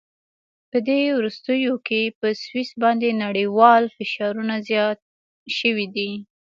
په دې وروستیو کې په سویس باندې نړیوال فشارونه زیات شوي دي.